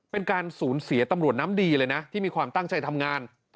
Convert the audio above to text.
เป็นการสูญเสียตำรวจน้ำดีเลยนะที่มีความตั้งใจทำงาน